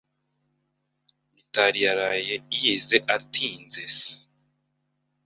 Mitari yaraye yize atinzesss.